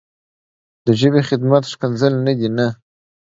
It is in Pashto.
د ژبې خدمت ښکنځل نه دي نه.